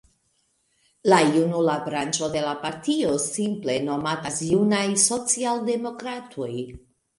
La junula branĉo de la partio simple nomatas Junaj Socialdemokratoj.